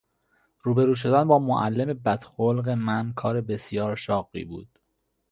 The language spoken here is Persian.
رو به رو شدن با معلم بدخلق من کار بسیار شاقی بود.